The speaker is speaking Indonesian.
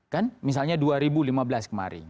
kan misalnya dua ribu lima belas kemarin